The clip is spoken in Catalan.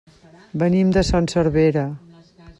Venim de Son Servera.